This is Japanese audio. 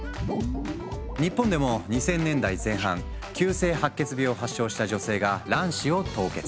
日本でも２０００年代前半急性白血病を発症した女性が卵子を凍結。